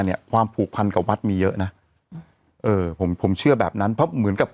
เนี้ยความผูกพันกับวัดมีเยอะนะเออผมผมเชื่อแบบนั้นเพราะเหมือนกับ